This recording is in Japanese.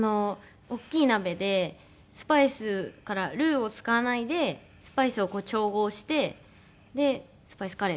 大きい鍋でスパイスからルーを使わないでスパイスを調合してスパイスカレー作って。